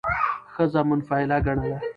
ښځه منفعله ګڼله،